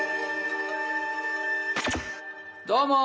どうも！